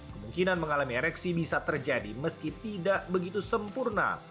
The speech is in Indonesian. kemungkinan mengalami ereksi bisa terjadi meski tidak begitu sempurna